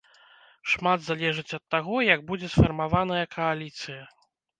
Шмат залежыць ад таго, як будзе сфармаваная кааліцыя.